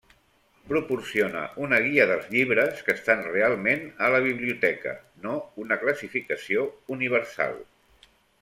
Proporciona una guia dels llibres que estan realment a la biblioteca, no una classificació universal.